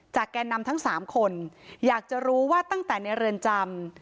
แกนนำทั้งสามคนอยากจะรู้ว่าตั้งแต่ในเรือนจำ